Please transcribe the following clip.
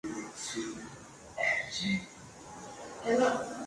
Se encuentran en las Islas Ryukyu, Taiwán, Indonesia, Papúa Nueva Guinea y Tonga.